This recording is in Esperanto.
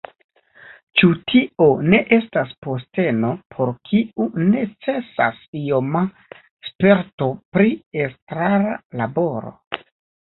Ĉu tio ne estas posteno, por kiu necesas ioma sperto pri estrara laboro?